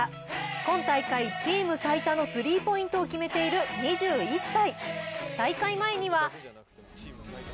今大会、チーム最多のスリーポイントを決めている２１歳。